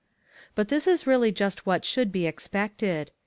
But this is really just what should be expected.